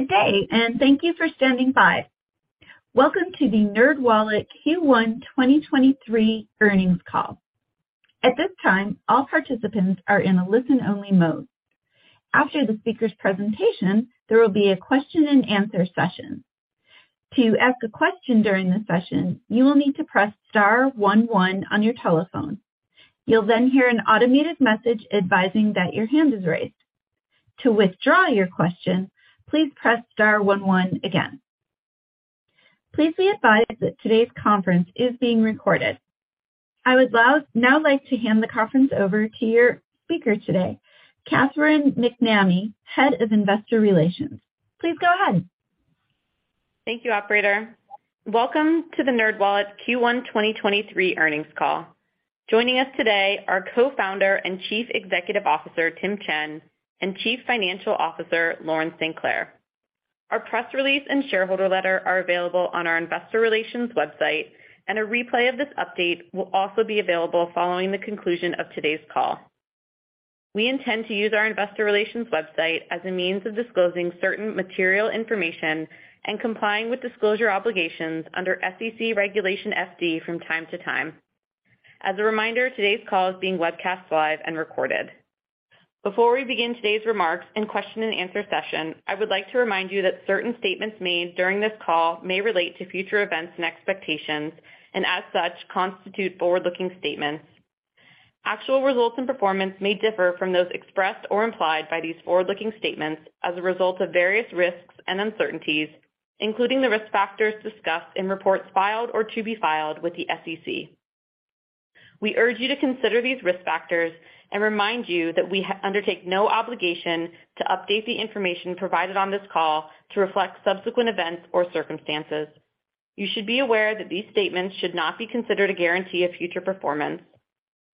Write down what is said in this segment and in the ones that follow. Good day. Thank you for standing by. Welcome to the NerdWallet Q1 2023 earnings call. At this time, all participants are in a listen-only mode. After the speaker's presentation, there will be a question and answer session. To ask a question during the session, you will need to press star one one on your telephone. You'll hear an automated message advising that your hand is raised. To withdraw your question, please press star one one again. Please be advised that today's conference is being recorded. I would now like to hand the conference over to your speaker today, Caitlin MacNamee, Head of Investor Relations. Please go ahead. Thank you, operator. Welcome to the NerdWallet's Q1 2023 earnings call. Joining us today are Co-founder and Chief Executive Officer, Tim Chen, and Chief Financial Officer, Lauren St. Clair. Our press release and shareholder letter are available on our investor relations website, and a replay of this update will also be available following the conclusion of today's call. We intend to use our investor relations website as a means of disclosing certain material information and complying with disclosure obligations under SEC Regulation FD from time to time. As a reminder, today's call is being webcast live and recorded. Before we begin today's remarks and question and answer session, I would like to remind you that certain statements made during this call may relate to future events and expectations, and as such, constitute forward-looking statements. Actual results and performance may differ from those expressed or implied by these forward-looking statements as a result of various risks and uncertainties, including the risk factors discussed in reports filed or to be filed with the SEC. We urge you to consider these risk factors and remind you that we undertake no obligation to update the information provided on this call to reflect subsequent events or circumstances. You should be aware that these statements should not be considered a guarantee of future performance.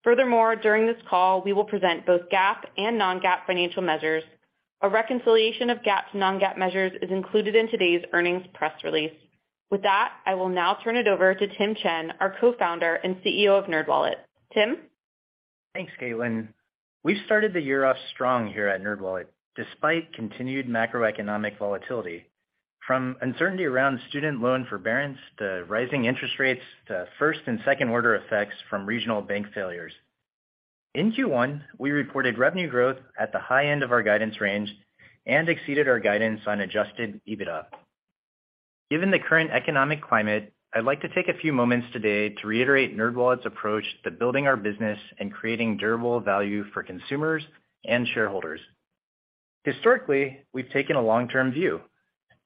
Furthermore, during this call, we will present both GAAP and Non-GAAP financial measures. A reconciliation of GAAP to Non-GAAP measures is included in today's earnings press release. With that, I will now turn it over to Tim Chen, our Co-founder and CEO of NerdWallet. Tim. Thanks, Caitlin. We started the year off strong here at NerdWallet, despite continued macroeconomic volatility from uncertainty around student loan forbearance to rising interest rates to first and second-order effects from regional bank failures. In Q1, we reported revenue growth at the high end of our guidance range and exceeded our guidance on Adjusted EBITDA. Given the current economic climate, I'd like to take a few moments today to reiterate NerdWallet's approach to building our business and creating durable value for consumers and shareholders. Historically, we've taken a long-term view.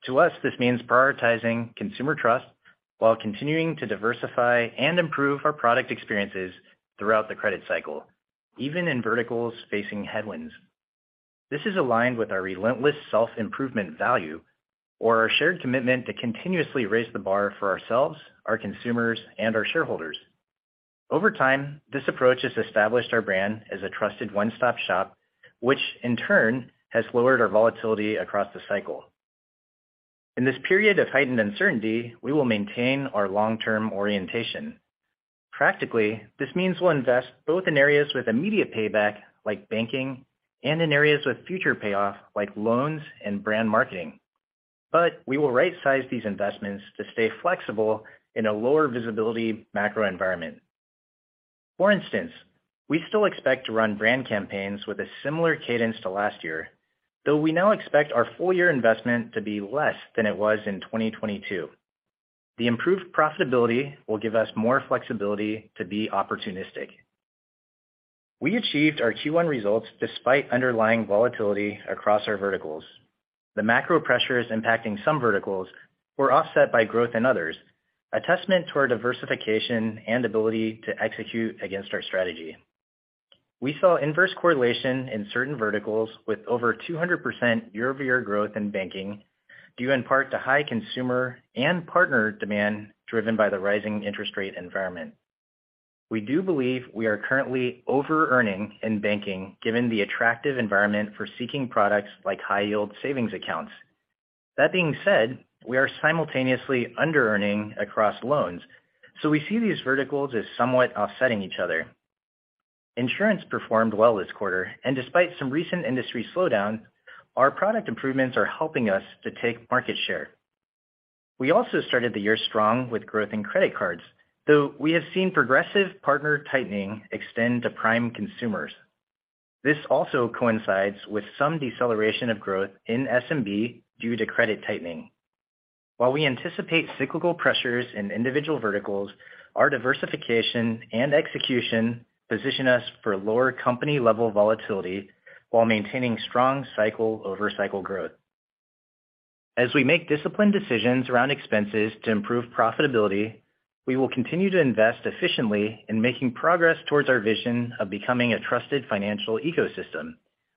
To us, this means prioritizing consumer trust while continuing to diversify and improve our product experiences throughout the credit cycle, even in verticals facing headwinds. This is aligned with our relentless self-improvement value or our shared commitment to continuously raise the bar for ourselves, our consumers, and our shareholders. Over time, this approach has established our brand as a trusted one-stop-shop, which in turn has lowered our volatility across the cycle. In this period of heightened uncertainty, we will maintain our long-term orientation. Practically, this means we'll invest both in areas with immediate payback, like banking, and in areas with future payoff, like loans and brand marketing. We will right-size these investments to stay flexible in a lower visibility macro environment. For instance, we still expect to run brand campaigns with a similar cadence to last year, though we now expect our full-year investment to be less than it was in 2022. The improved profitability will give us more flexibility to be opportunistic. We achieved our Q1 results despite underlying volatility across our verticals. The macro pressures impacting some verticals were offset by growth in others, a testament to our diversification and ability to execute against our strategy. We saw inverse correlation in certain verticals with over 200% year-over-year growth in banking due in part to high consumer and partner demand driven by the rising interest rate environment. We do believe we are currently overearning in banking given the attractive environment for seeking products like high yield savings accounts. That being said, we are simultaneously underearning across loans, so we see these verticals as somewhat offsetting each other. Insurance performed well this quarter, and despite some recent industry slowdown, our product improvements are helping us to take market share. We also started the year strong with growth in credit cards, though we have seen progressive partner tightening extend to prime consumers. This also coincides with some deceleration of growth in SMB due to credit tightening. While we anticipate cyclical pressures in individual verticals, our diversification and execution position us for lower company-level volatility while maintaining strong cycle-over-cycle growth. As we make disciplined decisions around expenses to improve profitability, we will continue to invest efficiently in making progress towards our vision of becoming a trusted financial ecosystem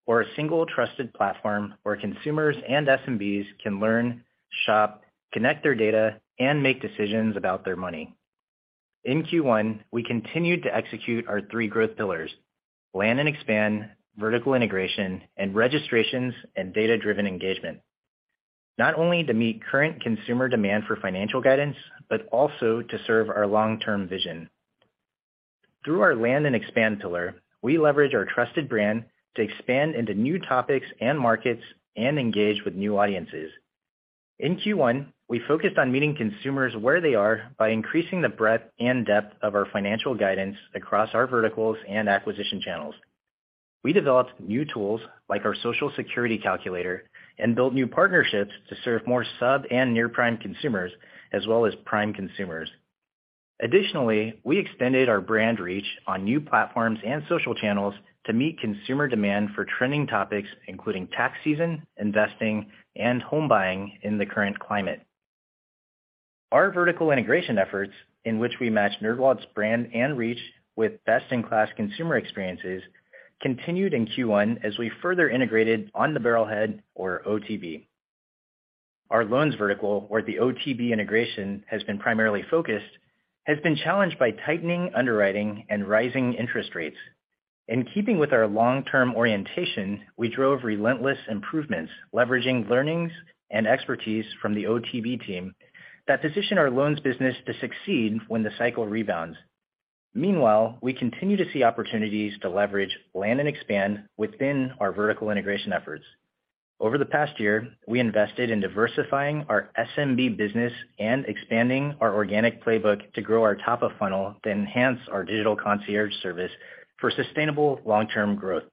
or a single trusted platform where consumers and SMBs can learn, shop, connect their data, and make decisions about their money. In Q1, we continued to execute our three growth pillars: land and expand, vertical integration, and registrations and data-driven engagement, not only to meet current consumer demand for financial guidance, but also to serve our long-term vision. Through our land and expand pillar, we leverage our trusted brand to expand into new topics and markets and engage with new audiences. In Q1, we focused on meeting consumers where they are by increasing the breadth and depth of our financial guidance across our verticals and acquisition channels. We developed new tools like our Social Security calculator and built new partnerships to serve more sub and near-prime consumers as well as prime consumers. Additionally, we extended our brand reach on new platforms and social channels to meet consumer demand for trending topics, including tax season, investing, and home buying in the current climate. Our vertical integration efforts, in which we match NerdWallet's brand and reach with best-in-class consumer experiences, continued in Q1 as we further integrated On the Barrelhead or OTB. Our loans vertical, where the OTB integration has been primarily focused, has been challenged by tightening underwriting and rising interest rates. In keeping with our long-term orientation, we drove relentless improvements, leveraging learnings and expertise from the OTB team that position our loans business to succeed when the cycle rebounds. We continue to see opportunities to leverage land and expand within our vertical integration efforts. Over the past year, we invested in diversifying our SMB business and expanding our organic playbook to grow our top of funnel to enhance our digital concierge service for sustainable long-term growth.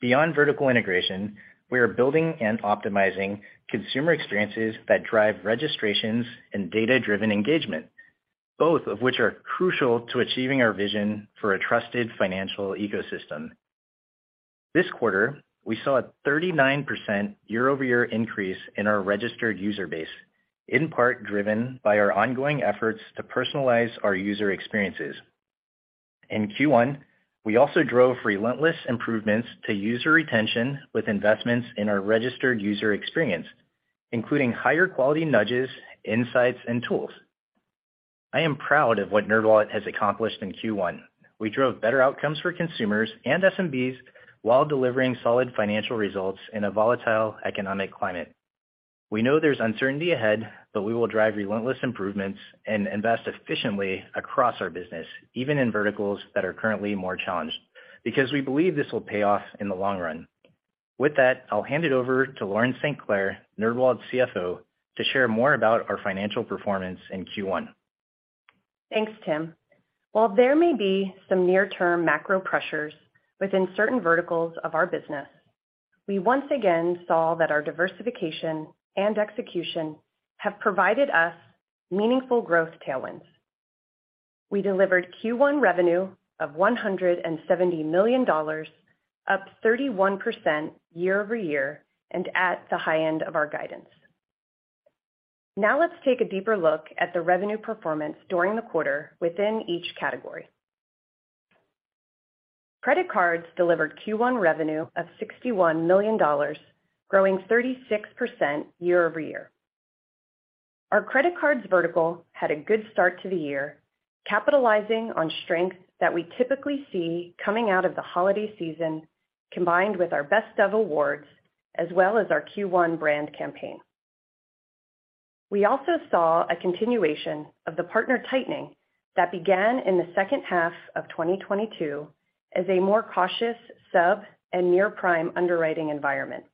Beyond vertical integration, we are building and optimizing consumer experiences that drive registrations and data-driven engagement, both of which are crucial to achieving our vision for a trusted financial ecosystem. This quarter, we saw a 39% year-over-year increase in our registered user base, in part driven by our ongoing efforts to personalize our user experiences. In Q1, we also drove relentless improvements to user retention with investments in our registered user experience, including higher quality nudges, insights, and tools. I am proud of what NerdWallet has accomplished in Q1. We drove better outcomes for consumers and SMBs while delivering solid financial results in a volatile economic climate. We know there's uncertainty ahead, but we will drive relentless improvements and invest efficiently across our business, even in verticals that are currently more challenged, because we believe this will pay off in the long run. With that, I'll hand it over to Lauren St. Clair, NerdWallet's CFO, to share more about our financial performance in Q1. Thanks, Tim. While there may be some near-term macro pressures within certain verticals of our business, we once again saw that our diversification and execution have provided us meaningful growth tailwinds. We delivered Q1 revenue of $170 million, up 31% year-over-year and at the high end of our guidance. Let's take a deeper look at the revenue performance during the quarter within each category. Credit cards delivered Q1 revenue of $61 million, growing 36% year-over-year. Our credit cards vertical had a good start to the year, capitalizing on strength that we typically see coming out of the holiday season, combined with our Best-Of Awards, as well as our Q1 brand campaign. We also saw a continuation of the partner tightening that began in the second half of 2022 as a more cautious sub and near-prime underwriting environment.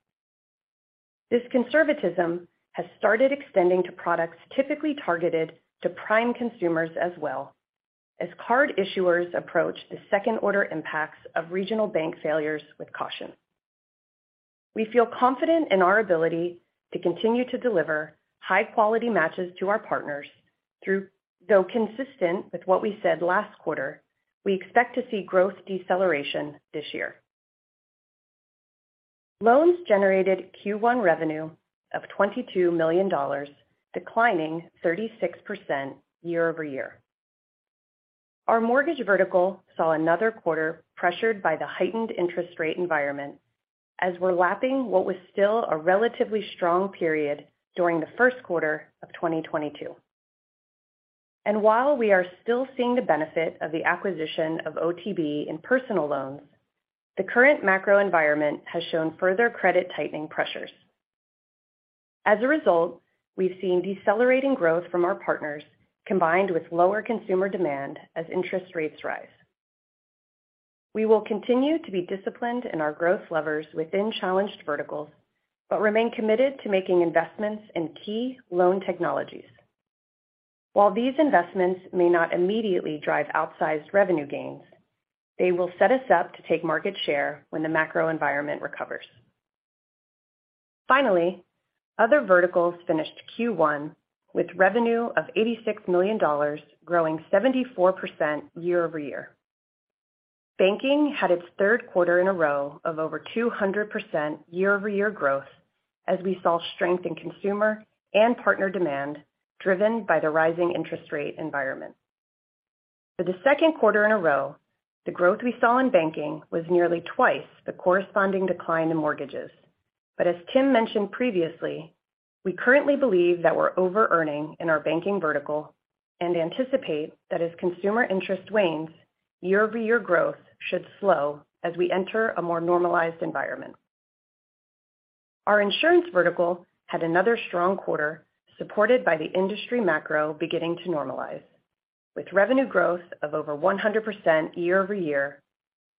This conservatism has started extending to products typically targeted to prime consumers as well as card issuers approach the second-order impacts of regional bank failures with caution. We feel confident in our ability to continue to deliver high-quality matches to our partners though consistent with what we said last quarter, we expect to see growth deceleration this year. Loans generated Q1 revenue of $22 million, declining 36% year-over-year. Our mortgage vertical saw another quarter pressured by the heightened interest rate environment as we're lapping what was still a relatively strong period during the first quarter of 2022. While we are still seeing the benefit of the acquisition of OTB in personal loans, the current macro environment has shown further credit tightening pressures. As a result, we've seen decelerating growth from our partners combined with lower consumer demand as interest rates rise. We will continue to be disciplined in our growth levers within challenged verticals but remain committed to making investments in key loan technologies. While these investments may not immediately drive outsized revenue gains, they will set us up to take market share when the macro environment recovers. Finally, other verticals finished Q1 with revenue of $86 million, growing 74% year-over-year. Banking had its third quarter in a row of over 200% year-over-year growth as we saw strength in consumer and partner demand driven by the rising interest rate environment. For the second quarter in a row, the growth we saw in banking was nearly twice the corresponding decline in mortgages. As Tim mentioned previously, we currently believe that we're over-earning in our banking vertical and anticipate that as consumer interest wanes, year-over-year growth should slow as we enter a more normalized environment. Our insurance vertical had another strong quarter supported by the industry macro beginning to normalize with revenue growth of over 100% year-over-year,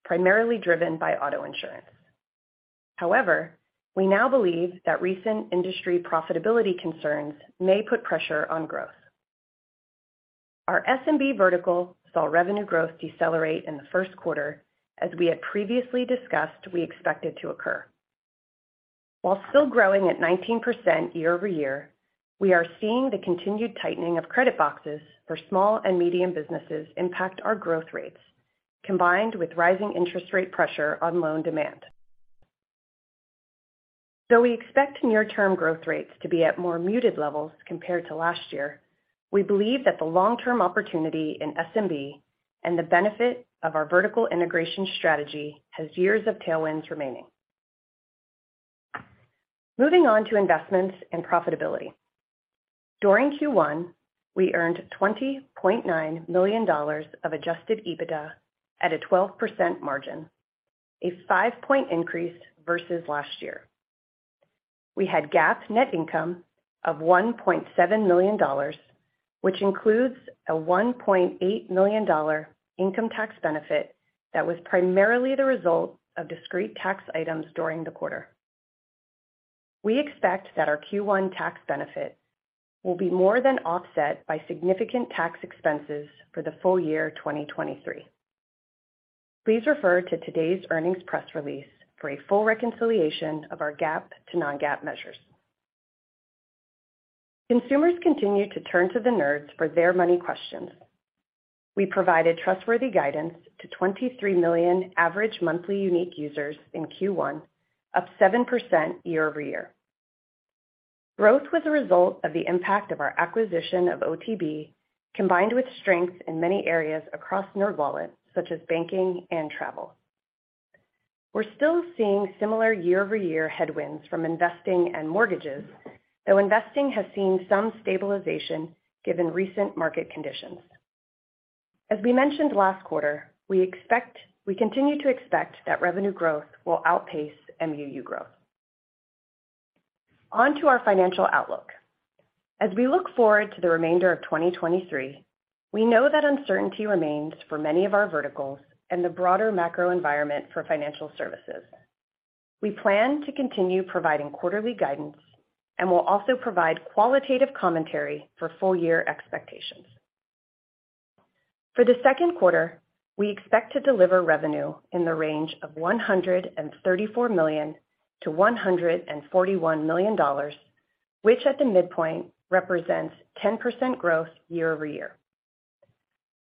primarily driven by auto insurance. However, we now believe that recent industry profitability concerns may put pressure on growth. Our SMB vertical saw revenue growth decelerate in the first quarter as we had previously discussed we expected to occur. While still growing at 19% year-over-year, we are seeing the continued tightening of credit boxes for small and medium businesses impact our growth rates combined with rising interest rate pressure on loan demand. We expect near-term growth rates to be at more muted levels compared to last year, we believe that the long-term opportunity in SMB and the benefit of our vertical integration strategy has years of tailwinds remaining. Moving on to investments and profitability. During Q1, we earned $20.9 million of Adjusted EBITDA at a 12% margin, a 5-point increase versus last year. We had GAAP net income of $1.7 million, which includes a $1.8 million income tax benefit that was primarily the result of discrete tax items during the quarter. We expect that our Q1 tax benefit will be more than offset by significant tax expenses for the full year 2023. Please refer to today's earnings press release for a full reconciliation of our GAAP to Non-GAAP measures. Consumers continue to turn to NerdWallet for their money questions. We provided trustworthy guidance to 23 million average monthly unique users in Q1, up 7% year-over-year. Growth was a result of the impact of our acquisition of OTB, combined with strengths in many areas across NerdWallet, such as banking and travel. We're still seeing similar year-over-year headwinds from investing and mortgages, though investing has seen some stabilization given recent market conditions. As we mentioned last quarter, we continue to expect that revenue growth will outpace MUU growth. On to our financial outlook. As we look forward to the remainder of 2023, we know that uncertainty remains for many of our verticals and the broader macro environment for financial services. We plan to continue providing quarterly guidance and will also provide qualitative commentary for full year expectations. For the second quarter, we expect to deliver revenue in the range of $134 million-$141 million, which at the midpoint represents 10% growth year-over-year.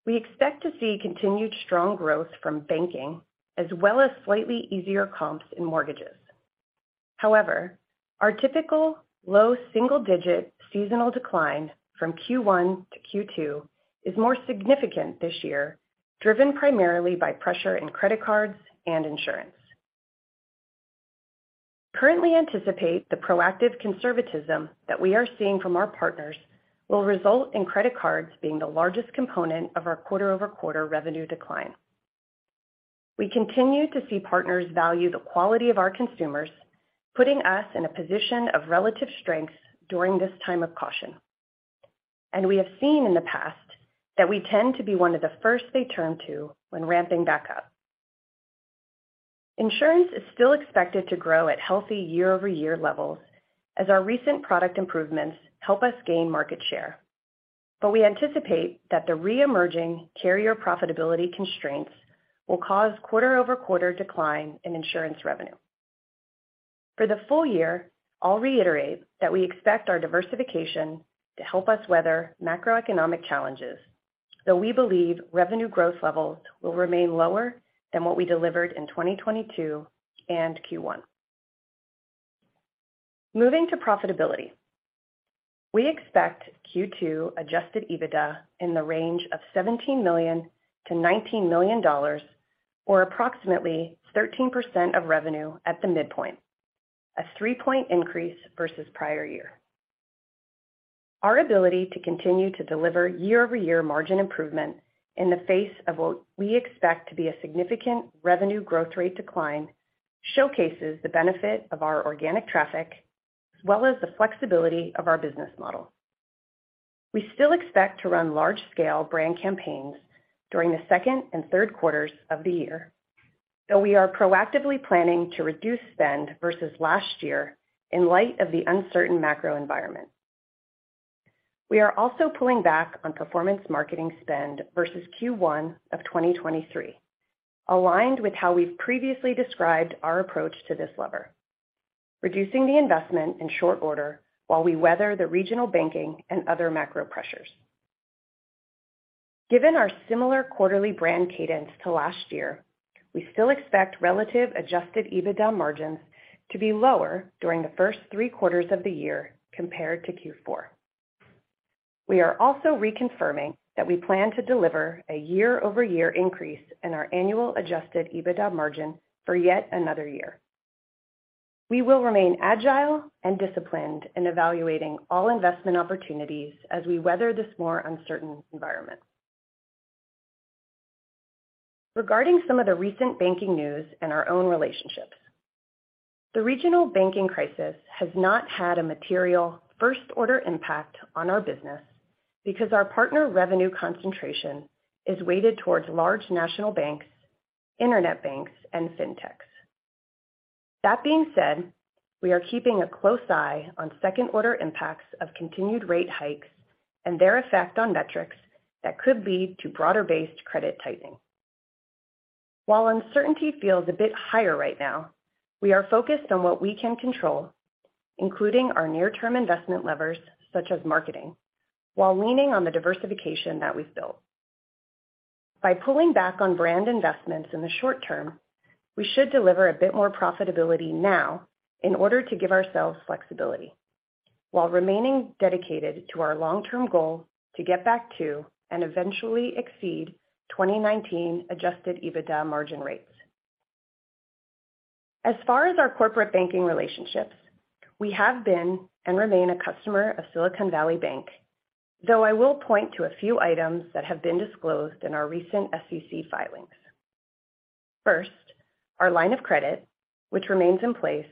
We expect to see continued strong growth from banking as well as slightly easier comps in mortgages. However, our typical low single-digit seasonal decline from Q1 to Q2 is more significant this year, driven primarily by pressure in credit cards and insurance. Currently anticipate the proactive conservatism that we are seeing from our partners will result in credit cards being the largest component of our quarter-over-quarter revenue decline. We continue to see partners value the quality of our consumers, putting us in a position of relative strength during this time of caution. We have seen in the past that we tend to be one of the first they turn to when ramping back up. Insurance is still expected to grow at healthy year-over-year levels as our recent product improvements help us gain market share. We anticipate that the reemerging carrier profitability constraints will cause quarter-over-quarter decline in insurance revenue. For the full year, I'll reiterate that we expect our diversification to help us weather macroeconomic challenges, though we believe revenue growth levels will remain lower than what we delivered in 2022 and Q1. Moving to profitability. We expect Q2 Adjusted EBITDA in the range of $17 million-$19 million or approximately 13% of revenue at the midpoint, a 3-point increase versus prior year. Our ability to continue to deliver year-over-year margin improvement in the face of what we expect to be a significant revenue growth rate decline showcases the benefit of our organic traffic, as well as the flexibility of our business model. We still expect to run large scale brand campaigns during the second and third quarters of the year, though we are proactively planning to reduce spend versus last year in light of the uncertain macro environment. We are also pulling back on performance marketing spend versus Q1 of 2023, aligned with how we've previously described our approach to this lever, reducing the investment in short order while we weather the regional banking and other macro pressures. Given our similar quarterly brand cadence to last year, we still expect relative Adjusted EBITDA margins to be lower during the first three quarters of the year compared to Q4. We are also reconfirming that we plan to deliver a year-over-year increase in our annual Adjusted EBITDA margin for yet another year. We will remain agile and disciplined in evaluating all investment opportunities as we weather this more uncertain environment. Regarding some of the recent banking news and our own relationships. The regional banking crisis has not had a material first order impact on our business because our partner revenue concentration is weighted towards large national banks, internet banks, and fintechs. That being said, we are keeping a close eye on second-order impacts of continued rate hikes and their effect on metrics that could lead to broader-based credit tightening. While uncertainty feels a bit higher right now, we are focused on what we can control, including our near-term investment levers such as marketing, while leaning on the diversification that we've built. By pulling back on brand investments in the short term, we should deliver a bit more profitability now in order to give ourselves flexibility while remaining dedicated to our long-term goal to get back to and eventually exceed 2019 Adjusted EBITDA margin rates. As far as our corporate banking relationships, we have been and remain a customer of Silicon Valley Bank, though I will point to a few items that have been disclosed in our recent SEC filings. First, our line of credit, which remains in place,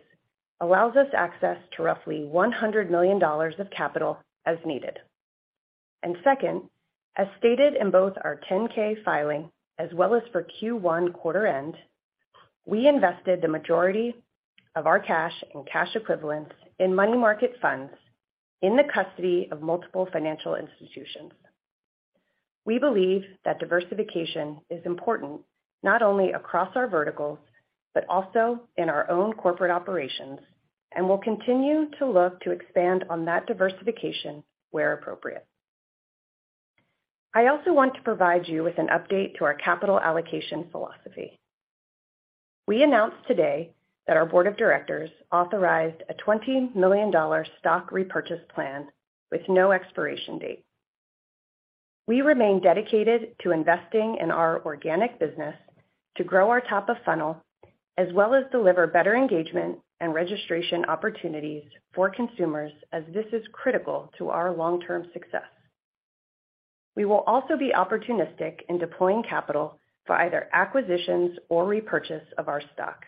allows us access to roughly $100 million of capital as needed. Second, as stated in both our 10-K filing as well as for Q1 quarter end, we invested the majority of our cash and cash equivalents in money market funds in the custody of multiple financial institutions. We believe that diversification is important not only across our verticals, but also in our own corporate operations, and will continue to look to expand on that diversification where appropriate. I also want to provide you with an update to our capital allocation philosophy. We announced today that our board of directors authorized a $20 million stock repurchase plan with no expiration date. We remain dedicated to investing in our organic business to grow our top of funnel, as well as deliver better engagement and registration opportunities for consumers as this is critical to our long-term success. We will also be opportunistic in deploying capital for either acquisitions or repurchase of our stock.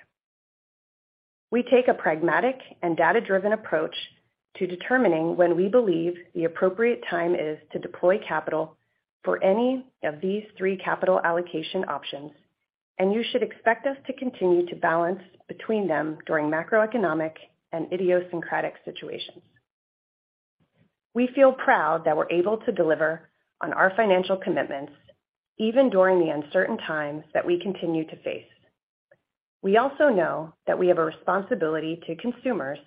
We take a pragmatic and data-driven approach to determining when we believe the appropriate time is to deploy capital for any of these three capital allocation options, and you should expect us to continue to balance between them during macroeconomic and idiosyncratic situations. We feel proud that we're able to deliver on our financial commitments even during the uncertain times that we continue to face. We also know that we have a responsibility to consumers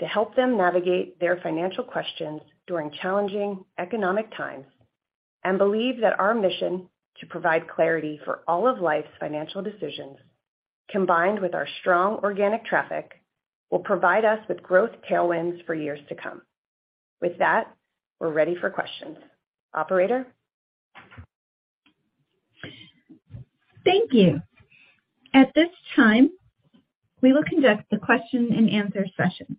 to help them navigate their financial questions during challenging economic times and believe that our mission to provide clarity for all of life's financial decisions, combined with our strong organic traffic, will provide us with growth tailwinds for years to come. With that, we're ready for questions. Operator? Thank you. At this time, we will conduct the question-and-answer session.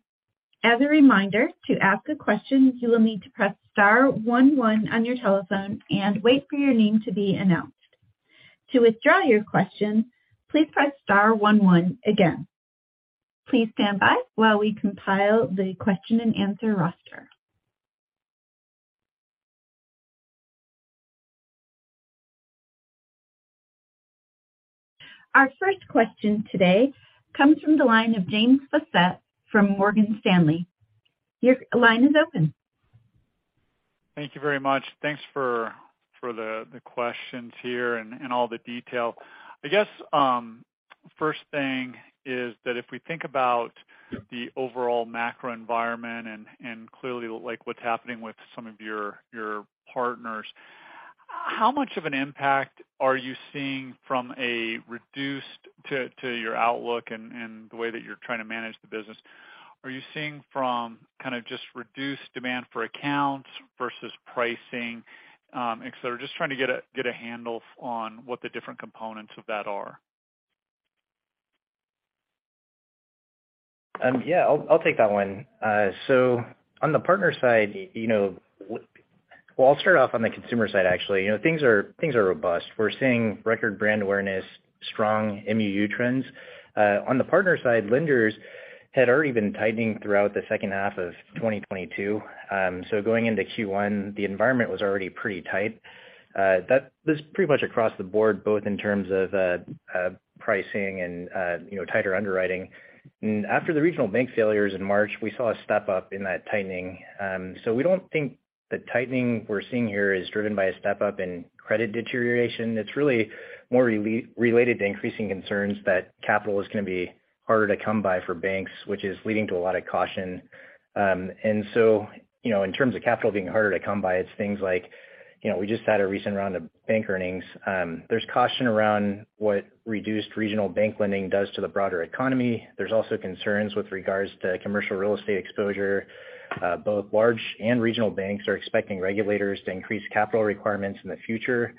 As a reminder, to ask a question, you will need to press star one one on your telephone and wait for your name to be announced. To withdraw your question, please press star one one again. Please stand by while we compile the question-and-answer roster. Our first question today comes from the line of James Faucette from Morgan Stanley. Your line is open. Thank you very much. Thanks for the questions here and all the detail. I guess, first thing is that if we think about the overall macro environment and clearly like what's happening with some of your partners, how much of an impact are you seeing from a reduced to your outlook and the way that you're trying to manage the business? Are you seeing from kind of just reduced demand for accounts versus pricing, et cetera? Just trying to get a handle on what the different components of that are. Yeah. I'll take that one. On the partner side, you know. Well, I'll start off on the consumer side, actually. You know, things are, things are robust. We're seeing record brand awareness, strong MUU trends. On the partner side, lenders had already been tightening throughout the second half of 2022. Going into Q1, the environment was already pretty tight. That was pretty much across the board, both in terms of pricing and, you know, tighter underwriting. After the regional bank failures in March, we saw a step-up in that tightening. We don't think the tightening we're seeing here is driven by a step-up in credit deterioration. It's really more related to increasing concerns that capital is gonna be harder to come by for banks, which is leading to a lot of caution. You know, in terms of capital being harder to come by, it's things like, you know, we just had a recent round of bank earnings. There's caution around what reduced regional bank lending does to the broader economy. There's also concerns with regards to commercial real estate exposure. Both large and regional banks are expecting regulators to increase capital requirements in the future.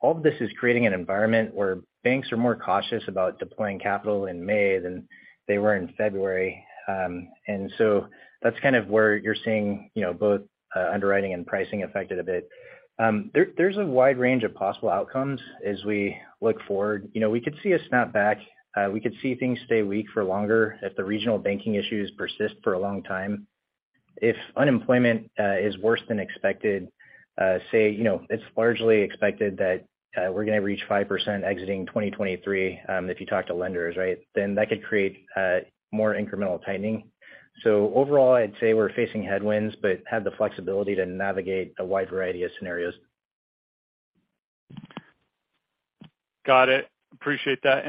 All of this is creating an environment where banks are more cautious about deploying capital in May than they were in February. So that's kind of where you're seeing, you know, both underwriting and pricing affected a bit. There's a wide range of possible outcomes as we look forward. You know, we could see a snapback. We could see things stay weak for longer if the regional banking issues persist for a long time. If unemployment is worse than expected, say, you know, it's largely expected that we're gonna reach 5% exiting 2023, if you talk to lenders, right. That could create more incremental tightening. Overall, I'd say we're facing headwinds, but have the flexibility to navigate a wide variety of scenarios. Got it. Appreciate that.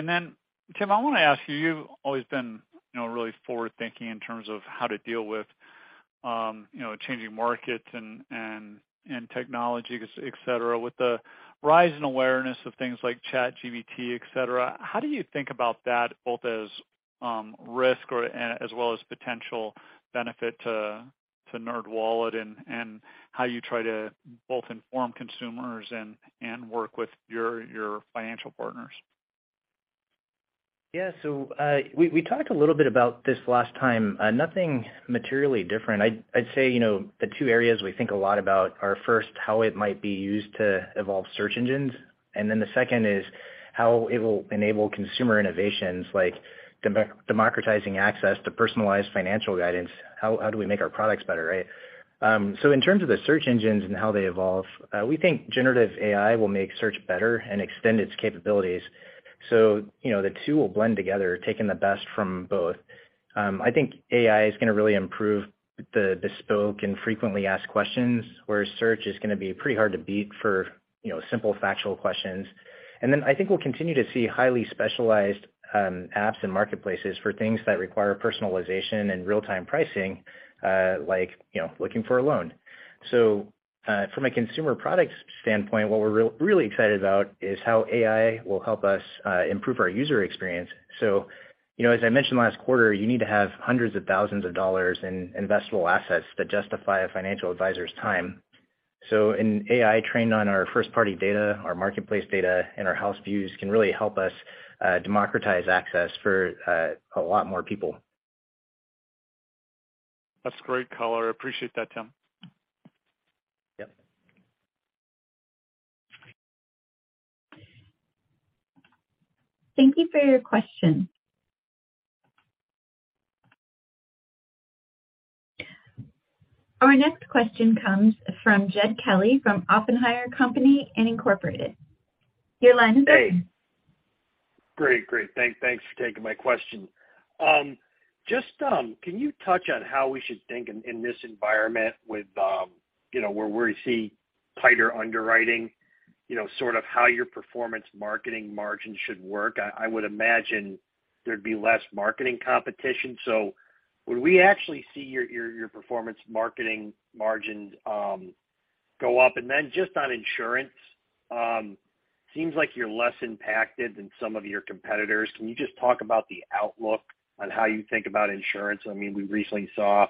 Tim, I wanna ask you've always been, you know, really forward-thinking in terms of how to deal with, you know, changing markets and technology, et cetera. With the rise in awareness of things like ChatGPT, et cetera, how do you think about that both as risk as well as potential benefit to NerdWallet and how you try to both inform consumers and work with your financial partners? Yeah. We talked a little bit about this last time. Nothing materially different. I'd say, you know, the two areas we think a lot about are, first, how it might be used to evolve search engines. The second is how it will enable consumer innovations like democratizing access to personalized financial guidance. How do we make our products better, right? In terms of the search engines and how they evolve, we think generative AI will make search better and extend its capabilities. You know, the two will blend together, taking the best from both. I think AI is gonna really improve the bespoke and frequently asked questions, whereas search is gonna be pretty hard to beat for, you know, simple factual questions. I think we'll continue to see highly specialized apps and marketplaces for things that require personalization and real-time pricing, like, you know, looking for a loan. From a consumer products standpoint, what we're really excited about is how AI will help us improve our user experience. You know, as I mentioned last quarter, you need to have hundreds of thousands of dollars in investable assets that justify a financial advisor's time. An AI trained on our first-party data, our marketplace data, and our house views can really help us democratize access for a lot more people. That's great color. I appreciate that, Tim. Yep. Thank you for your question. Our next question comes from Jed Kelly from Oppenheimer & Co. Inc. Your line is open. Hey. Great. Great. Thanks for taking my question. Just, can you touch on how we should think in this environment with, you know, where we see tighter underwriting, you know, sort of how your performance marketing margins should work? I would imagine there'd be less marketing competition. Would we actually see your performance marketing margins go up? Just on insurance, seems like you're less impacted than some of your competitors. Can you just talk about the outlook on how you think about insurance? I mean, we recently saw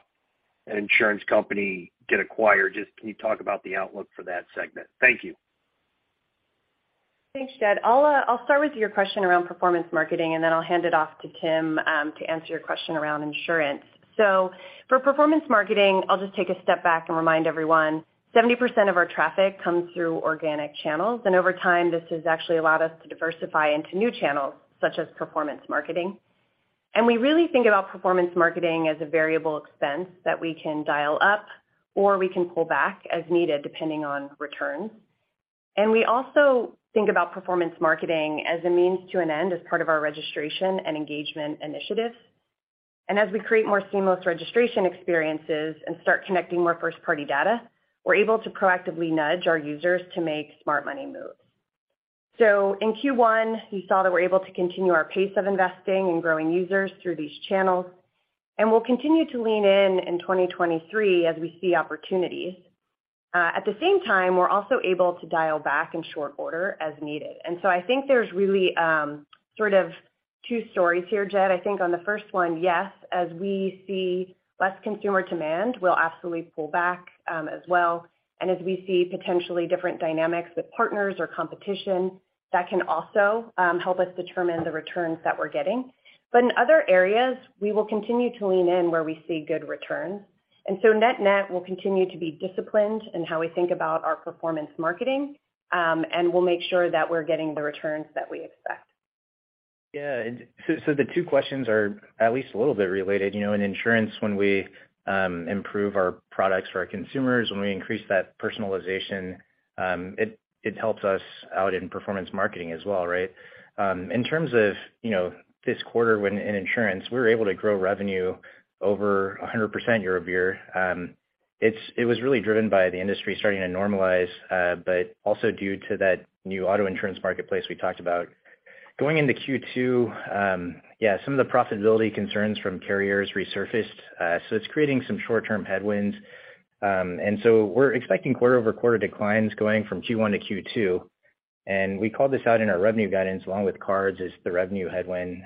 an insurance company get acquired. Can you talk about the outlook for that segment? Thank you. Thanks, Jed. I'll start with your question around performance marketing, then I'll hand it off to Tim to answer your question around insurance. For performance marketing, I'll just take a step back and remind everyone 70% of our traffic comes through organic channels. Over time, this has actually allowed us to diversify into new channels such as performance marketing. We really think about performance marketing as a variable expense that we can dial up or we can pull back as needed, depending on returns. We also think about performance marketing as a means to an end as part of our registration and engagement initiatives. As we create more seamless registration experiences and start connecting more first-party data, we're able to proactively nudge our users to make smart money moves. In Q1, we saw that we're able to continue our pace of investing and growing users through these channels, and we'll continue to lean in in 2023 as we see opportunities. At the same time, we're also able to dial back in short order as needed. I think there's really sort of two stories here, Jed. I think on the first one, yes, as we see less consumer demand, we'll absolutely pull back as well. As we see potentially different dynamics with partners or competition, that can also help us determine the returns that we're getting. In other areas, we will continue to lean in where we see good returns. Net-net, we'll continue to be disciplined in how we think about our performance marketing, and we'll make sure that we're getting the returns that we expect. Yeah. So the two questions are at least a little bit related. You know, in insurance, when we improve our products for our consumers, when we increase that personalization, it helps us out in performance marketing as well, right? In terms of, you know, this quarter when in insurance, we were able to grow revenue over 100% year-over-year. It was really driven by the industry starting to normalize, but also due to that new auto insurance marketplace we talked about. Going into Q2, some of the profitability concerns from carriers resurfaced. It's creating some short-term headwinds. We're expecting quarter-over-quarter declines going from Q1 to Q2. And we called this out in our revenue guidance along with cards as the revenue headwind.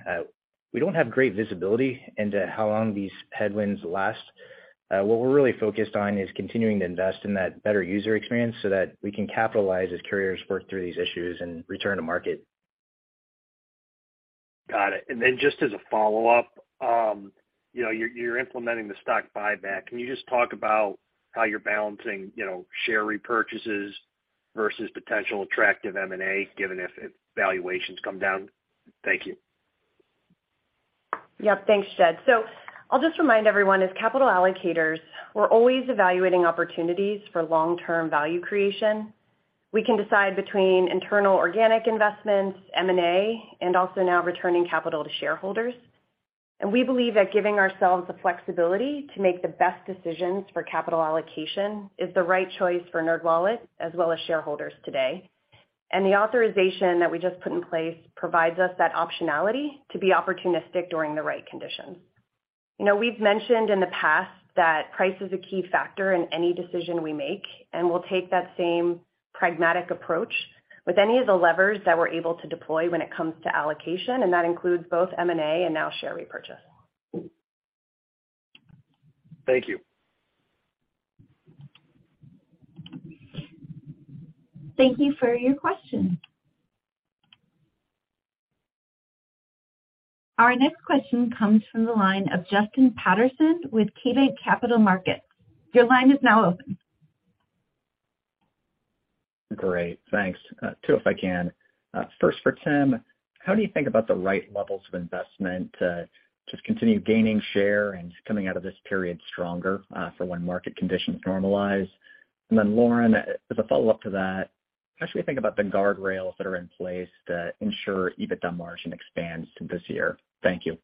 We don't have great visibility into how long these headwinds last. What we're really focused on is continuing to invest in that better user experience so that we can capitalize as carriers work through these issues and return to market. Got it. Just as a follow-up, you know, you're implementing the stock buyback. Can you just talk about how you're balancing, you know, share repurchases versus potential attractive M&A given if valuations come down? Thank you. Yep. Thanks, Jed. I'll just remind everyone, as capital allocators, we're always evaluating opportunities for long-term value creation. We can decide between internal organic investments, M&A, and also now returning capital to shareholders. We believe that giving ourselves the flexibility to make the best decisions for capital allocation is the right choice for NerdWallet as well as shareholders today. The authorization that we just put in place provides us that optionality to be opportunistic during the right conditions. You know, we've mentioned in the past that price is a key factor in any decision we make, and we'll take that same pragmatic approach with any of the levers that we're able to deploy when it comes to allocation, and that includes both M&A and now share repurchase. Thank you. Thank you for your question. Our next question comes from the line of Justin Patterson with KeyBanc Capital Markets. Your line is now open. Great. Thanks. two, if I can. First for Tim, how do you think about the right levels of investment to just continue gaining share and just coming out of this period stronger, for when market conditions normalize? Lauren, as a follow-up to that, how should we think about the guardrails that are in place to ensure EBITDA margin expands this year? Thank you.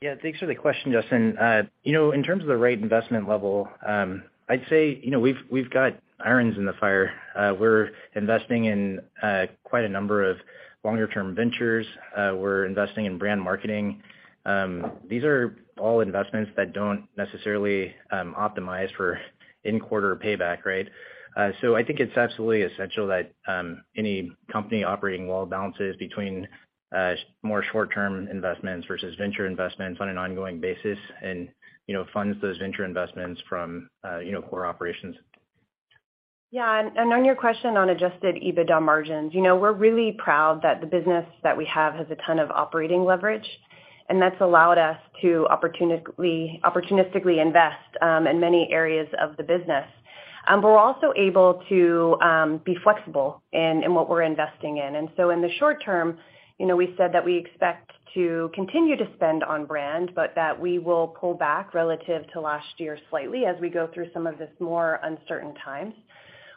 Yeah, thanks for the question, Justin. You know, in terms of the right investment level, I'd say, you know, we've got irons in the fire. We're investing in quite a number of longer term ventures. We're investing in brand marketing. These are all investments that don't necessarily optimize for in quarter payback, right? I think it's absolutely essential that any company operating well balances between more short-term investments versus venture investments on an ongoing basis and, you know, funds those venture investments from, you know, core operations. Yeah. On your question on Adjusted EBITDA margins, you know, we're really proud that the business that we have has a ton of operating leverage, and that's allowed us to opportunistically invest in many areas of the business. We're also able to be flexible in what we're investing in. In the short term, you know, we said that we expect to continue to spend on brand, but that we will pull back relative to last year slightly as we go through some of this more uncertain times.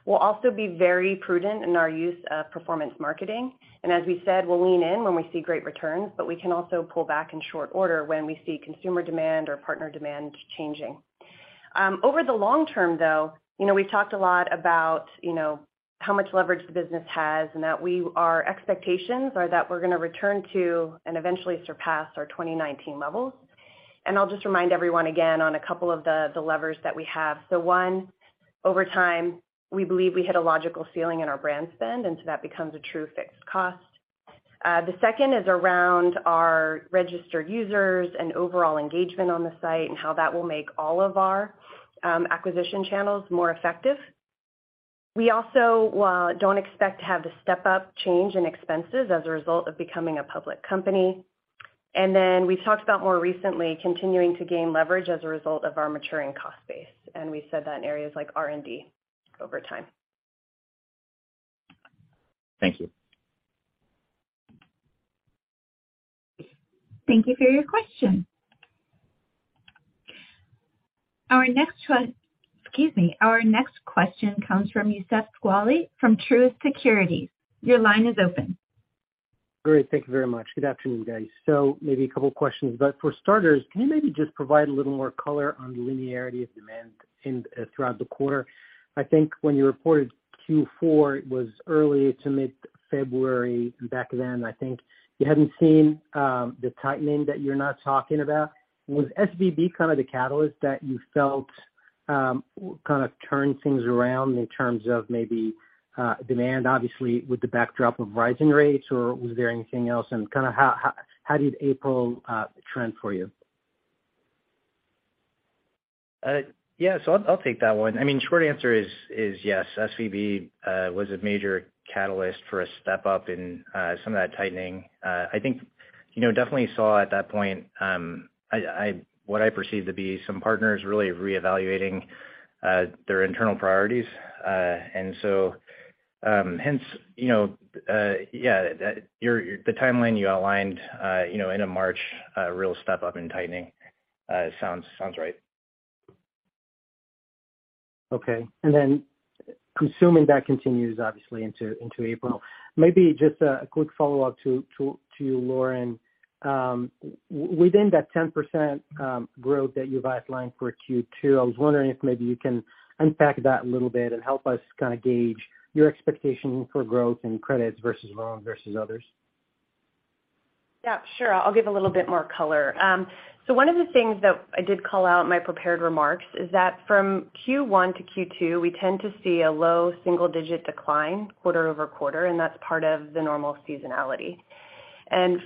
We'll also be very prudent in our use of performance marketing. As we said, we'll lean in when we see great returns, but we can also pull back in short order when we see consumer demand or partner demand changing. Over the long term, though, you know, we've talked a lot about, you know, how much leverage the business has and that expectations are that we're gonna return to and eventually surpass our 2019 levels. I'll just remind everyone again on a couple of the levers that we have. One, over time, we believe we hit a logical ceiling in our brand spend, that becomes a true fixed cost. The second is around our registered users and overall engagement on the site and how that will make all of our acquisition channels more effective. We also don't expect to have the step-up change in expenses as a result of becoming a public company. We've talked about more recently continuing to gain leverage as a result of our maturing cost base, and we said that in areas like R&D over time. Thank you. Thank you for your question. Excuse me. Our next question comes from Youssef Squali from Truist Securities. Your line is open. Great. Thank you very much. Good afternoon, guys. Maybe a couple questions, but for starters, can you maybe just provide a little more color on the linearity of demand throughout the quarter? I think when you reported Q4, it was early to mid-February, and back then I think you hadn't seen the tightening that you're now talking about. Was SVB kind of the catalyst that you felt kind of turn things around in terms of maybe demand, obviously with the backdrop of rising rates, or was there anything else? Kinda how did April trend for you? Yeah. I'll take that one. I mean, short answer is yes, SVB was a major catalyst for a step up in some of that tightening. I think, you know, definitely saw at that point, I what I perceived to be some partners really reevaluating their internal priorities. Hence, you know, yeah, the timeline you outlined, you know, end of March, real step up in tightening sounds right. Okay. Assuming that continues obviously into April, maybe just a quick follow-up to you, Lauren. Within that 10% growth that you've outlined for Q2, I was wondering if maybe you can unpack that a little bit and help us kinda gauge your expectation for growth in credits versus loans versus others. Sure. I'll give a little bit more color. One of the things that I did call out in my prepared remarks is that from Q1 to Q2, we tend to see a low single-digit decline quarter-over-quarter, and that's part of the normal seasonality.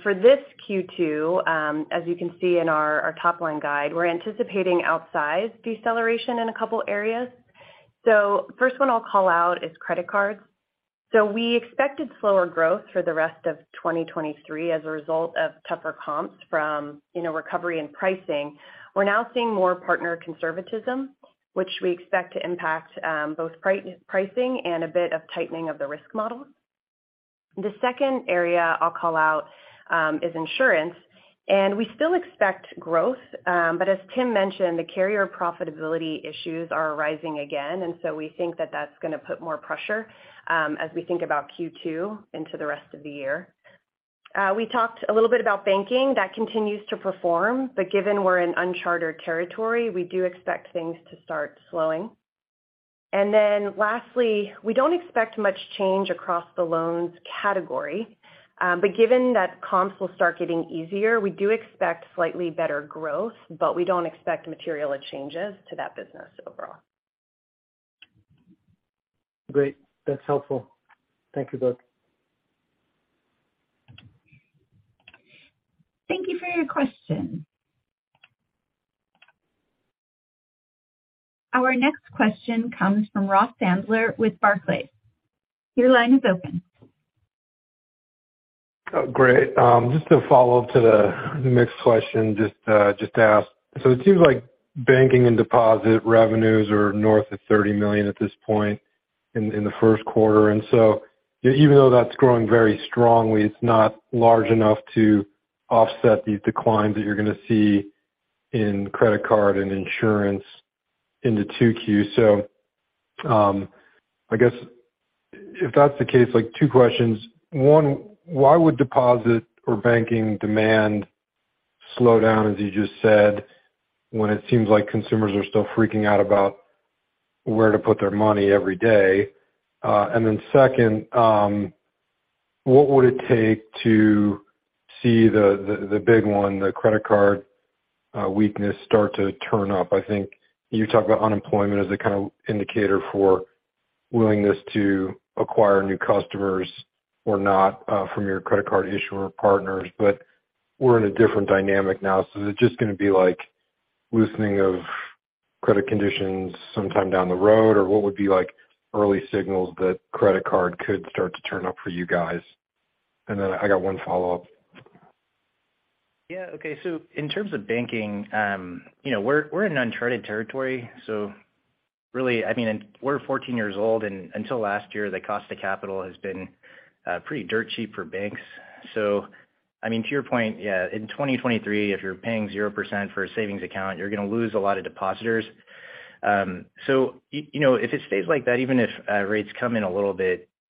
For this Q2, as you can see in our top-line guide, we're anticipating outsized deceleration in a couple areas. First one I'll call out is credit cards. We expected slower growth for the rest of 2023 as a result of tougher comps from, you know, recovery and pricing. We're now seeing more partner conservatism, which we expect to impact both pricing and a bit of tightening of the risk model. The second area I'll call out is insurance. We still expect growth, but as Tim mentioned, the carrier profitability issues are arising again, and so we think that that's gonna put more pressure, as we think about Q2 into the rest of the year. We talked a little bit about banking. That continues to perform, but given we're in uncharted territory, we do expect things to start slowing. Lastly, we don't expect much change across the loans category, but given that comps will start getting easier, we do expect slightly better growth, but we don't expect material changes to that business overall. Great. That's helpful. Thank you both. Thank you for your question. Our next question comes from Ross Sandler with Barclays. Your line is open. Great. Just to follow up to the mixed question, just to ask, it seems like banking and deposit revenues are north of $30 million at this point in the first quarter. Even though that's growing very strongly, it's not large enough to offset these declines that you're gonna see in credit card and insurance into 2Q. I guess if that's the case, like, two questions. One, why would deposit or banking demand slow down, as you just said, when it seems like consumers are still freaking out about where to put their money every day? Second, what would it take to see the big one, the credit card, weakness start to turn up? I think you talk about unemployment as a kind of indicator for willingness to acquire new customers or not, from your credit card issuer partners. We're in a different dynamic now. Is it just gonna be like loosening of credit conditions sometime down the road? What would be like early signals that credit card could start to turn up for you guys? I got one follow-up. Yeah. Okay. in terms of banking, you know, we're in uncharted territory. really, I mean, we're 14 years old, and until last year, the cost of capital has been pretty dirt cheap for banks. I mean, to your point, yeah, in 2023, if you're paying 0% for a savings account, you're gonna lose a lot of depositors. so you know, if it stays like that, even if rates come in a little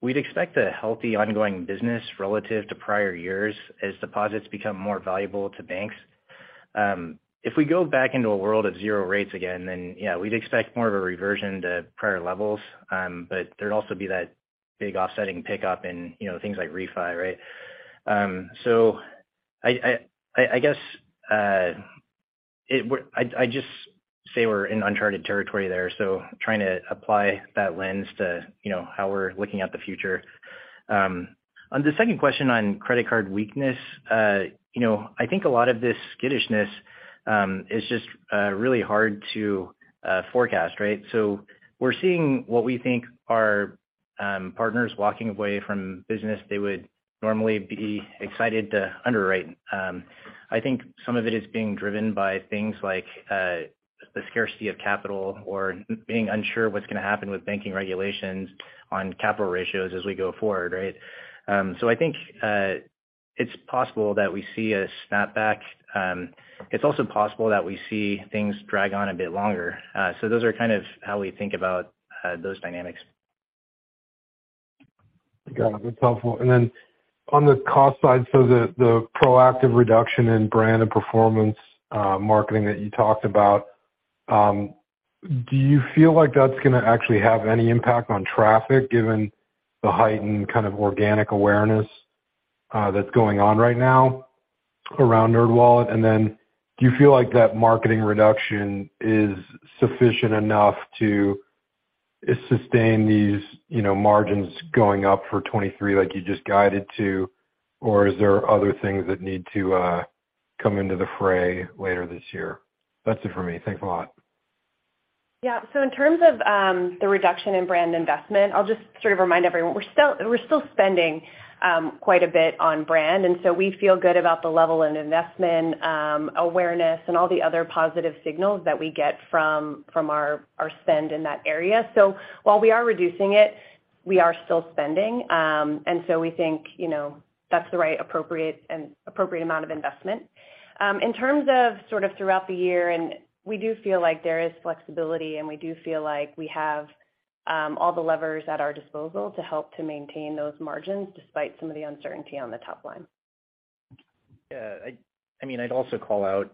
bit, we'd expect a healthy ongoing business relative to prior years as deposits become more valuable to banks. if we go back into a world of 0 rates again, then, yeah, we'd expect more of a reversion to prior levels. there'd also be that big offsetting pickup in, you know, things like refi, right? I guess I just say we're in uncharted territory there, trying to apply that lens to, you know, how we're looking at the future. On the second question on credit card weakness, you know, I think a lot of this skittishness is just really hard to forecast, right? We're seeing what we think are partners walking away from business they would normally be excited to underwrite. I think some of it is being driven by things like the scarcity of capital or being unsure what's gonna happen with banking regulations on capital ratios as we go forward, right? I think it's possible that we see a snapback. It's also possible that we see things drag on a bit longer. Those are kind of how we think about, those dynamics. Got it. That's helpful. On the cost side, the proactive reduction in brand and performance marketing that you talked about, do you feel like that's gonna actually have any impact on traffic given the heightened kind of organic awareness that's going on right now around NerdWallet? Do you feel like that marketing reduction is sufficient enough to sustain these, you know, margins going up for 23 like you just guided to, or is there other things that need to come into the fray later this year? That's it for me. Thanks a lot. In terms of the reduction in brand investment, I'll just sort of remind everyone, we're still spending, quite a bit on brand. We feel good about the level of investment, awareness and all the other positive signals that we get from our spend in that area. While we are reducing it, we are still spending. We think, you know, that's the right, appropriate amount of investment. In terms of sort of throughout the year, we do feel like there is flexibility. We do feel like we have, all the levers at our disposal to help to maintain those margins despite some of the uncertainty on the top line. Yeah. I mean, I'd also call out,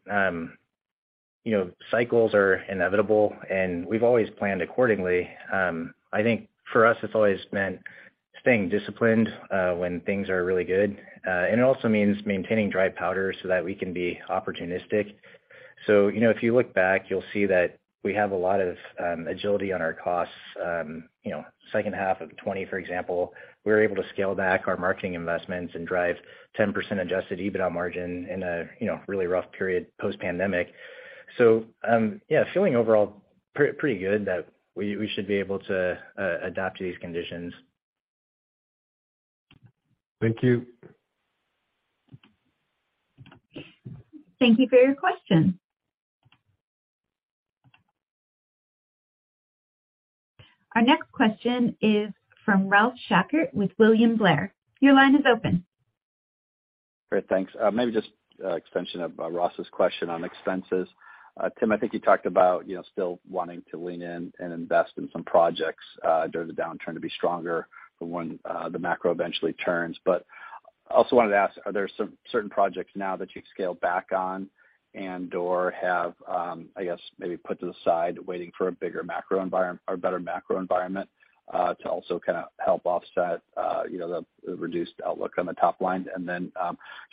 you know, cycles are inevitable, and we've always planned accordingly. I think for us, it's always meant staying disciplined when things are really good. It also means maintaining dry powder so that we can be opportunistic. You know, if you look back, you'll see that we have a lot of agility on our costs. You know, second half of 2020, for example, we were able to scale back our marketing investments and drive 10% Adjusted EBITDA margin in a, you know, really rough period post-pandemic. Yeah, feeling overall pretty good that we should be able to adapt to these conditions. Thank you. Thank you for your question. Our next question is from Ralph Schackart with William Blair. Your line is open. Great. Thanks. Maybe just extension of Ross's question on expenses. Tim, I think you talked about, you know, still wanting to lean in and invest in some projects during the downturn to be stronger for when the macro eventually turns. Also wanted to ask, are there some certain projects now that you've scaled back on and/or have, I guess, maybe put to the side waiting for a bigger macro environment or better macro environment to also kinda help offset, you know, the reduced outlook on the top line?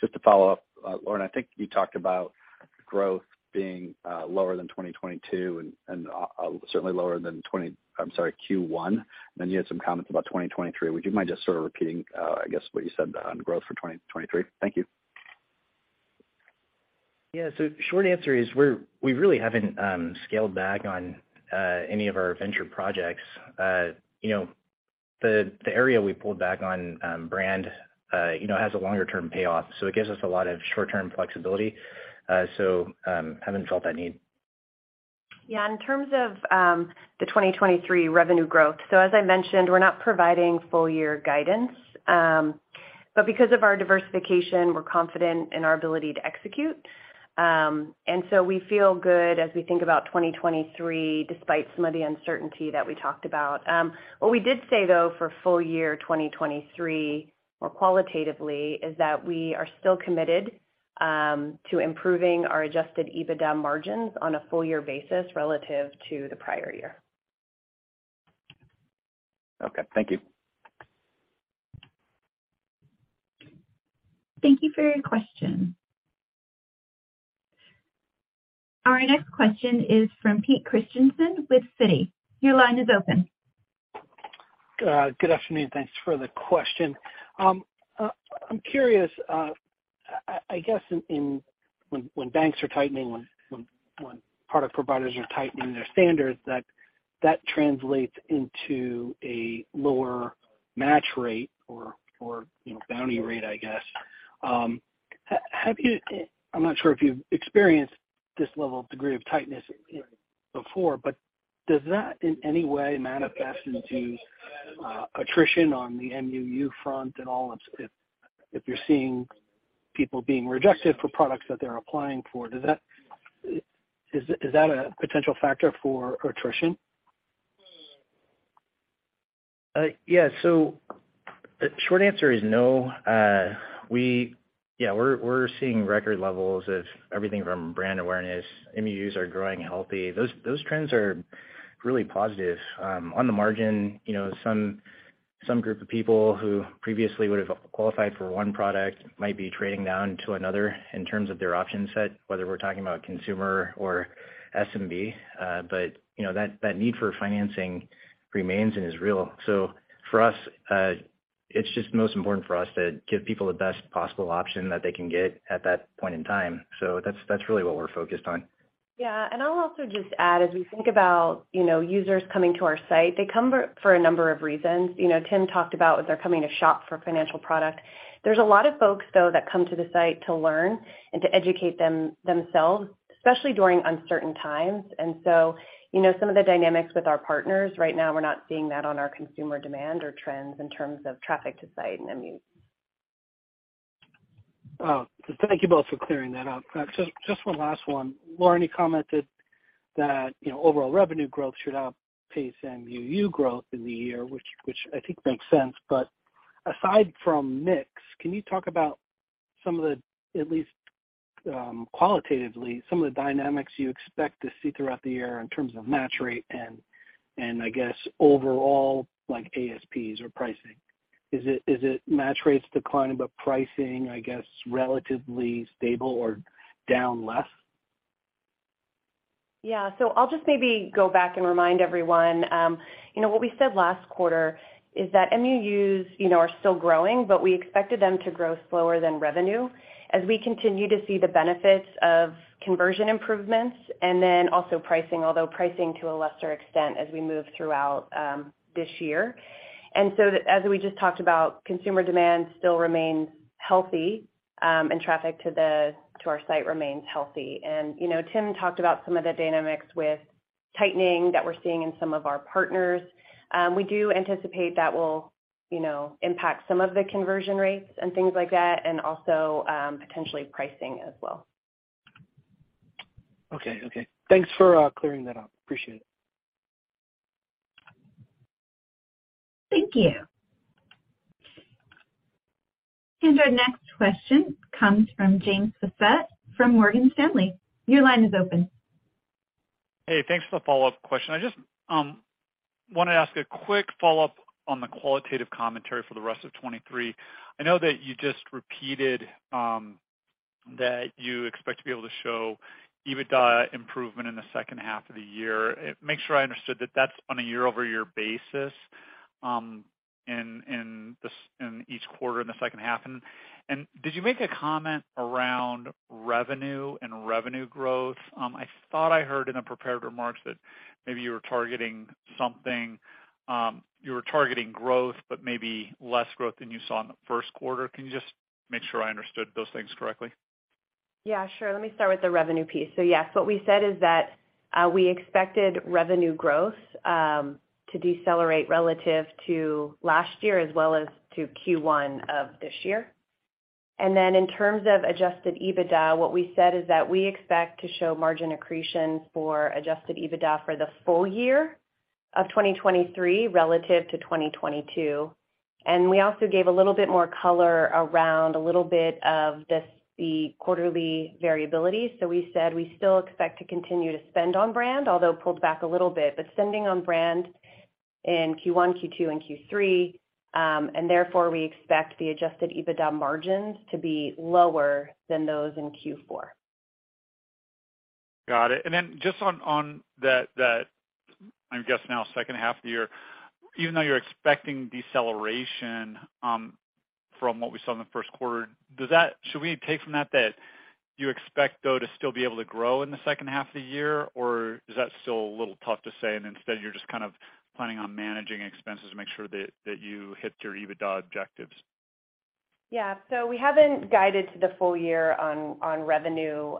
Just to follow up, Lauren, I think you talked about growth being lower than 2022 and certainly lower than Q1, then you had some comments about 2023. Would you mind just sort of repeating, I guess, what you said on growth for 2023? Thank you. Short answer is we really haven't scaled back on any of our venture projects. You know, the area we pulled back on, brand, you know, has a longer-term payoff, so it gives us a lot of short-term flexibility. Haven't felt that need. Yeah. In terms of the 2023 revenue growth. As I mentioned, we're not providing full year guidance. Because of our diversification, we're confident in our ability to execute. We feel good as we think about 2023, despite some of the uncertainty that we talked about. What we did say though for full year 2023, more qualitatively, is that we are still committed to improving our Adjusted EBITDA margins on a full year basis relative to the prior year. Okay. Thank you. Thank you for your question. Our next question is from Peter Christiansen with Citi. Your line is open. Good afternoon. Thanks for the question. I'm curious, I guess in when banks are tightening, when product providers are tightening their standards, that translates into a lower match rate or, you know, bounty rate, I guess. Have you I'm not sure if you've experienced this level of degree of tightness before, but does that in any way manifest into attrition on the MUU front at all if you're seeing people being rejected for products that they're applying for? Does that Is that a potential factor for attrition? Yeah. Short answer is no. Yeah, we're seeing record levels of everything from brand awareness. MUUs are growing healthy. Those trends are really positive. On the margin, you know, some group of people who previously would have qualified for one product might be trading down to another in terms of their option set, whether we're talking about consumer or SMB. You know, that need for financing remains and is real. For us, it's just most important for us to give people the best possible option that they can get at that point in time. That's really what we're focused on. Yeah. I'll also just add, as we think about, you know, users coming to our site, they come for a number of reasons. You know, Tim talked about they're coming to shop for financial product. There's a lot of folks though that come to the site to learn and to educate themselves, especially during uncertain times. You know, some of the dynamics with our partners right now, we're not seeing that on our consumer demand or trends in terms of traffic to site and MU. Oh. Thank you both for clearing that up. Just one last one. Lauren, you commented that, you know, overall revenue growth should outpace MUU growth in the year, which I think makes sense. Aside from mix, can you talk about some of the, at least, qualitatively, some of the dynamics you expect to see throughout the year in terms of match rate and I guess overall like ASPs or pricing? Is it match rates declining, but pricing I guess relatively stable or down less? I'll just maybe go back and remind everyone, you know, what we said last quarter is that MUUs, you know, are still growing, but we expected them to grow slower than revenue as we continue to see the benefits of conversion improvements and then also pricing, although pricing to a lesser extent as we move throughout this year. As we just talked about, consumer demand still remains healthy, and traffic to our site remains healthy. You know, Tim talked about some of the dynamics with tightening that we're seeing in some of our partners. We do anticipate that will, you know, impact some of the conversion rates and things like that and also, potentially pricing as well. Okay. Okay. Thanks for clearing that up. Appreciate it. Thank you. Our next question comes from James Faucette from Morgan Stanley. Your line is open. Hey, thanks for the follow-up question. I just wanna ask a quick follow-up on the qualitative commentary for the rest of 2023. I know that you just repeated that you expect to be able to show EBITDA improvement in the second half of the year. Make sure I understood that that's on a year-over-year basis in each quarter in the second half. Did you make a comment around revenue and revenue growth? I thought I heard in the prepared remarks that maybe you were targeting something, you were targeting growth, but maybe less growth than you saw in the first quarter. Can you just make sure I understood those things correctly? Yeah, sure. Let me start with the revenue piece. Yes, what we said is that, we expected revenue growth, to decelerate relative to last year as well as to Q1 of this year. In terms of Adjusted EBITDA, what we said is that we expect to show margin accretion for Adjusted EBITDA for the full year of 2023 relative to 2022. We also gave a little bit more color around a little bit of this, the quarterly variability. We said we still expect to continue to spend on brand, although pulled back a little bit. Spending on brand in Q1, Q2, and Q3, and therefore we expect the Adjusted EBITDA margins to be lower than those in Q4. Got it. Just on that, I guess now second half of the year, even though you're expecting deceleration from what we saw in the first quarter, should we take from that you expect though to still be able to grow in the second half of the year, or is that still a little tough to say, and instead you're just kind of planning on managing expenses to make sure that you hit your EBITDA objectives? Yeah. We haven't guided to the full year on revenue.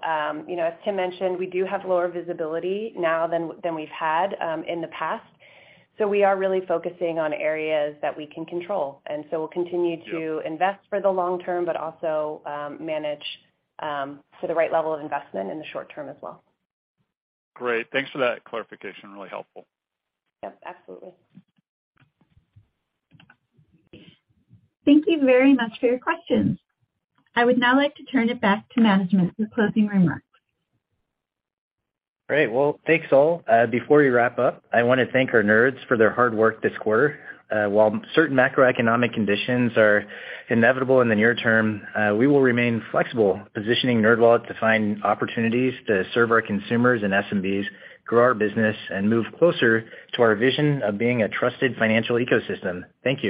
you know, as Tim mentioned, we do have lower visibility now than we've had in the past. We are really focusing on areas that we can control. We'll continue to invest for the long term, but also manage to the right level of investment in the short term as well. Great. Thanks for that clarification. Really helpful. Yep, absolutely. Thank you very much for your questions. I would now like to turn it back to management for closing remarks. Great. Well, thanks all. Before we wrap up, I wanna thank our Nerds for their hard work this quarter. While certain macroeconomic conditions are inevitable in the near term, we will remain flexible, positioning NerdWallet to find opportunities to serve our consumers and SMBs, grow our business, and move closer to our vision of being a trusted financial ecosystem. Thank you.